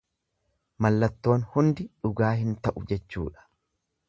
Mallattoon hundi dhugaa hin ta'u jechuudha.